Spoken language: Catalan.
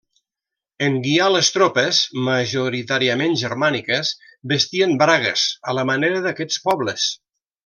En guiar les tropes -majoritàriament, germàniques- vestien bragues, a la manera d'aquests pobles.